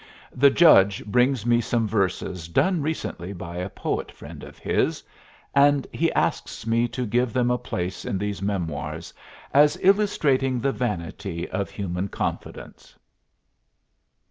The Judge brings me some verses done recently by a poet friend of his, and he asks me to give them a place in these memoirs as illustrating the vanity of human confidence.